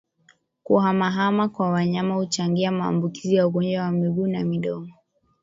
Kuhamahama kwa wanyama huchangia maambukizi ya ugonjwa wa miguu na midomo